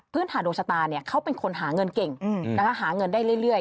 ฐานดวงชะตาเขาเป็นคนหาเงินเก่งหาเงินได้เรื่อย